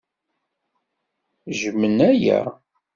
Jjmen aya.